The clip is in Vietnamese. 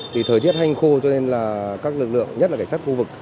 thì thời tiết hanh khô cho nên là các lực lượng nhất là cảnh sát khu vực